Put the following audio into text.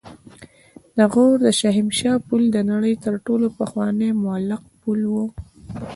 د غور د شاهمشه پل د نړۍ تر ټولو پخوانی معلق پل و